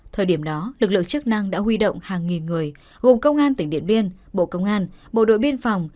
thời điểm đó lực lượng chức năng đã huy động hàng nghìn người gồm công an tỉnh điện biên bộ công an bộ đội biên phòng